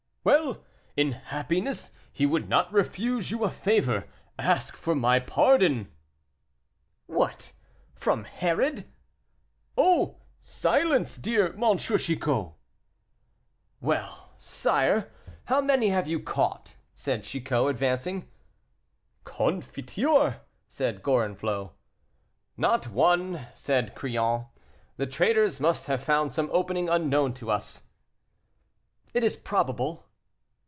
"Well! in his happiness he would not refuse you a favor; ask for my pardon." "What! from Herod?" "Oh! silence, dear M. Chicot." "Well! sire, how many have you caught?" said Chicot, advancing. "Confiteor," said Gorenflot. "Not one," said Crillon, "the traitors must have found some opening unknown to us." "It is probable."